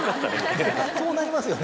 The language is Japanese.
そうなりますよね。